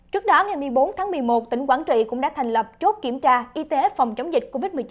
trước đó ngày một mươi bốn tháng một mươi một tỉnh quảng trị cũng đã thành lập chốt kiểm tra y tế phòng chống dịch covid một mươi chín